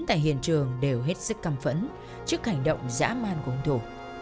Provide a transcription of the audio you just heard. tại hiện trường đều hết sức căm phẫn trước hành động dã man của hung thủ